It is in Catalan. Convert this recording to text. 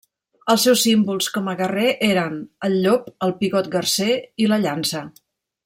Els seus símbols com a guerrer eren: el llop, el pigot garser i la llança.